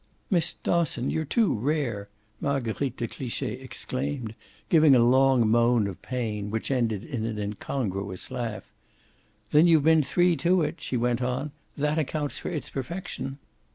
"Miss Dosson, you're too rare!" Marguerite de Cliche exclaimed, giving a long moan of pain which ended in an incongruous laugh. "Then you've been three to it," she went on; "that accounts for its perfection!"